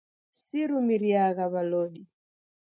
Sirumiriagha w'alodi.